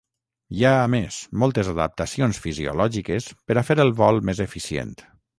Hi ha, a més, moltes adaptacions fisiològiques per a fer el vol més eficient.